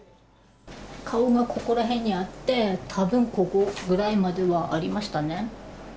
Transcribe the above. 顔がここら辺にあって、たぶん、ここぐらいまではありましたね。